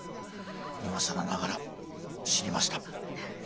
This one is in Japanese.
いまさらながら知りました。